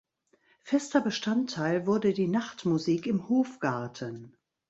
Fester Bestandteil wurde die Nachtmusik im Hofgarten.